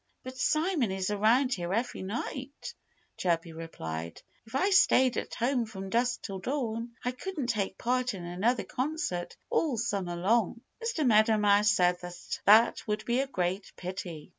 "But Simon is around here every night," Chirpy replied. "If I stayed at home from dusk till dawn I couldn't take part in another concert all summer long." Mr. Meadow Mouse said that that would be a great pity.